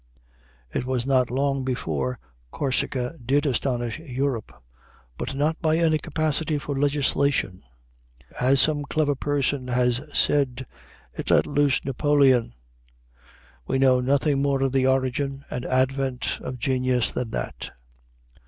It was not long before Corsica did astonish Europe, but not by any capacity for legislation. As some clever person has said, it let loose Napoleon. We know nothing more of the origin and advent of genius than that.